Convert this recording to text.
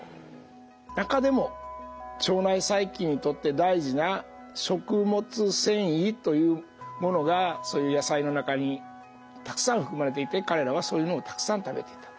中でも腸内細菌にとって大事な食物繊維というものがそういう野菜の中にたくさん含まれていて彼らはそういうのをたくさん食べていたと。